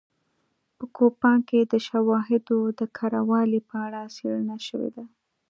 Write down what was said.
په کوپان کې د شواهدو د کره والي په اړه څېړنه شوې ده